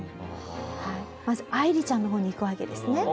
まず愛理ちゃんの方にいくわけですね。